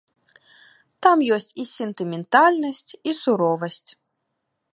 Там ёсць і сентыментальнасць, і суровасць.